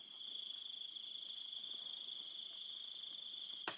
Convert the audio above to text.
ติดต่อไปแล้ว